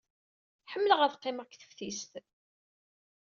Ḥemmleɣ ad qqimeɣ deg teftist.